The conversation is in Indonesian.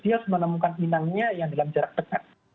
dia harus menemukan inangnya yang dalam jarak dekat